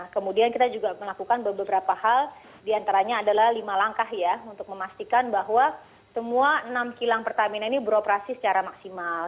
kemudian kita juga melakukan beberapa hal diantaranya adalah lima langkah ya untuk memastikan bahwa semua enam kilang pertamina ini beroperasi secara maksimal